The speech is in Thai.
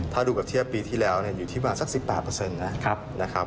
ถ้าดูแบบเทียบปีที่แล้วอยู่ที่ประมาณสัก๑๘นะครับ